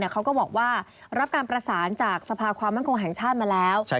เขาก็บอกว่ารับการประสานจากสภาความมั่นคงแห่งชาติมาแล้ว